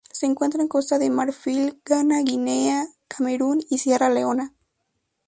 Se encuentra en Costa de Marfil, Ghana, Guinea, Camerún y Sierra Leona.